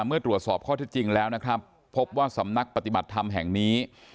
เมื่อตรวจสอบข้อที่จริงแล้วนะครับพบว่าสำนักปฏิบัติธรรมแห่งนี้